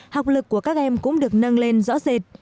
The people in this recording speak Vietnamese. học lực của các em cũng được nâng lên rõ rệt